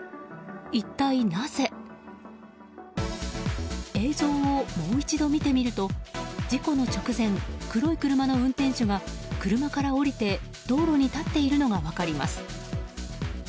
一体なぜ？映像をもう一度見てみると事故の直前、黒い車の運転手が車から降りて道路に立っているのが分かります。